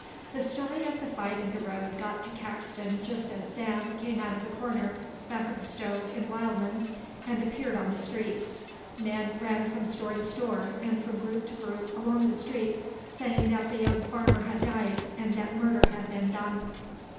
The story of the fight in the road got to Caxton just as Sam came out of the corner, back of the stove in Wildman's and appeared on the street. Men ran from store to store and from group to group along the street saying that the young farmer had died and that murder had been done.